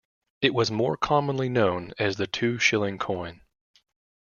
It was more commonly known as the two-shilling coin.